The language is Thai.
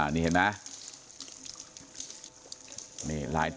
นี่เห็นมั้ย